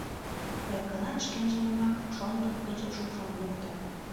Эргылан шкенжынымак шондык гыч шупшын лукто.